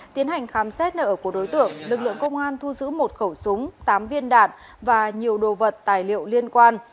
tiến hành khám xét nợ của đối tượng lực lượng công an thu giữ một khẩu súng tám viên đạn và nhiều đồ vật tài liệu liên quan